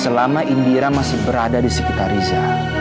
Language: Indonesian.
selama indira masih berada di sekitar riza